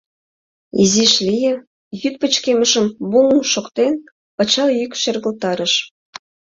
Изиш лие, йӱд пычкемышым буҥ-ҥ шоктен, пычал йӱк шергылтарыш.